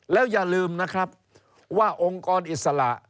แล้วอย่าลืมนะครับว่าองค์กรอิสระ